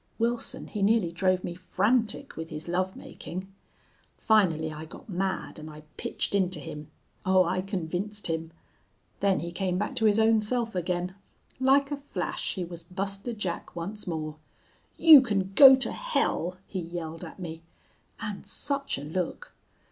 Wilson, he nearly drove me frantic with his lovemaking. Finally I got mad and I pitched into him. Oh, I convinced him! Then he came back to his own self again. Like a flash he was Buster Jack once more. "You can go to hell!" he yelled at me. And such a look!...